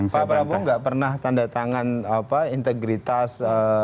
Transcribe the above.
pak prabowo tidak pernah tandatangan integritas